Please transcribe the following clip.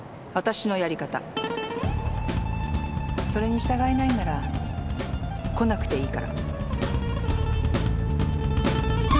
それに従えないんなら来なくていいから。